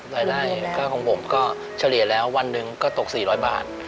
รายได้ค่าของผมก็เฉลี่ยแล้ววันหนึ่งก็ตก๔๐๐บาท